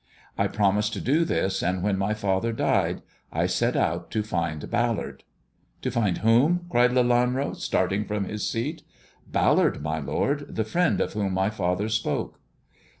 I promised, to do this, and when my father died I set out to find Ballard.'' " To find whom ?" cried Lelanro, starting from his seat. "Ballard, my lord. The friend of whom my father spoke.''